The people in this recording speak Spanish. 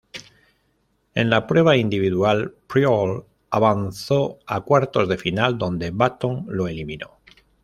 En la prueba individual, Priaulx avanzó a cuartos de final, donde Button lo eliminó.